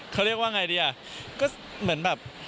เขาเรียกว่าไงดีอ่ะก็เหมือนแบบ